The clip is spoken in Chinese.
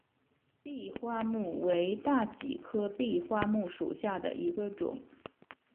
闭花木为大戟科闭花木属下的一个种。